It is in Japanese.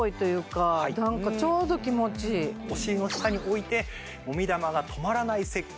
お尻の下に置いてもみ玉が止まらない設計。